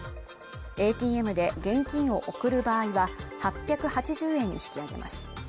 ＡＴＭで現金を送る場合は８８０円に引き上げます。